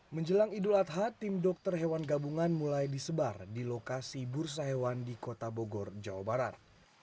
menjelang idul adha tim dokter hewan gabungan mulai disebar di lokasi bursa hewan di kota bogor jawa barat